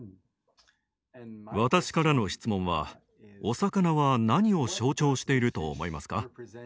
私からの質問はおさかなは何を象徴していると思いますか？